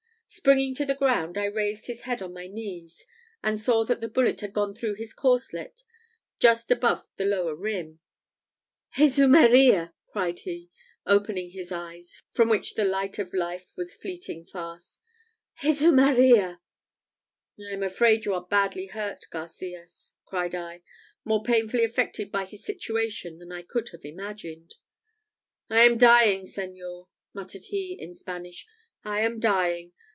Springing to the ground, I raised his head on my knees, and saw that the bullet had gone through his corslet just above the lower rim. "Jesu Maria!" cried he, opening his eyes, from which the light of life was fleeting fast "Jesu Maria! " "I am afraid you are badly hurt, Garcias," cried I, more painfully affected by his situation than I could have imagined. "I am dying, señor!" muttered he in Spanish "I am dying!